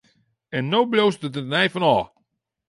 En no bliuwst der tenei fan ôf!